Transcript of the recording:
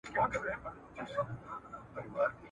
څېړنه د پټو رازونو د موندلو لپاره غوره لار ده.